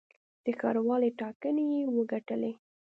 د ښاروالۍ ټاکنې یې وګټلې.